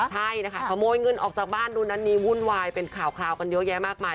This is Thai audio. ใช่นะคะขโมยเงินออกจากบ้านนู้นอันนี้วุ่นวายเป็นข่าวกันเยอะแยะมากมาย